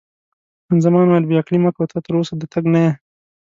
خان زمان وویل: بې عقلي مه کوه، ته تراوسه د تګ نه یې.